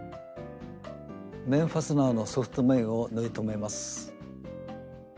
面ファスナーのソフト面を縫い留めます。